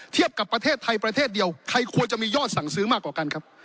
เทียบกับประเทศไทยประเทศเดียวใครควรจะมียอดสั่งซื้อมากกว่ากันครับ